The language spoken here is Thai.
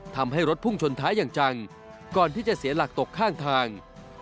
ทำให้รถพุ่งชนท้ายอย่างจังก่อนที่จะเสียหลักตกข้างทาง